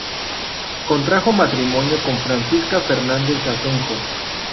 Contrajo matrimonio con Francisca Fernández Asenjo.